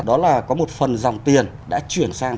đó là có một phần dòng tiền đã chuyển sang